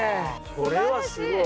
これはすごい。